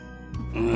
うん。